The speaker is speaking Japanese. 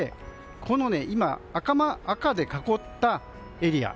今、赤で囲ったエリア。